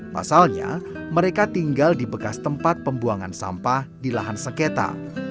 pasalnya mereka tinggal di bekas tempat pembuangan sampah di lahan sengketa